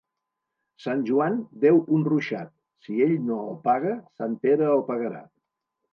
Sant Joan deu un ruixat; si ell no el paga, Sant Pere el pagarà.